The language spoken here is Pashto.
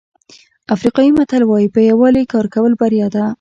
افریقایي متل وایي په یووالي کار کول بریا ده.